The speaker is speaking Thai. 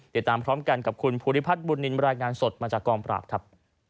ติดตามพร้อมกันกับคุณภูริพัฒน์บุญนินรายงานสดมาจากกองปราบครับ